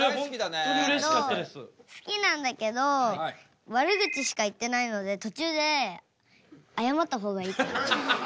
えっと好きなんだけどわる口しか言ってないので途中であやまった方がいいと思う。